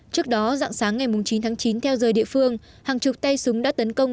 trước đó dặn sáng ngày chín tháng chín theo dời địa phương hàng chục tay súng đã tấn công